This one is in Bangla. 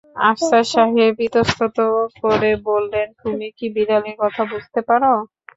আফসার সাহেব ইতস্তত করে বললেন, তুমি কি বিড়ালের কথা বুঝতে পার?